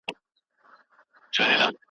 په مابينځ کي یو لوی او خطرناک جنګ پیل سوی و.